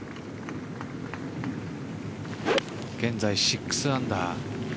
現在６アンダー。